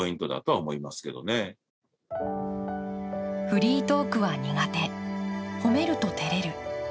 フリートークは苦手、褒めるとてれる。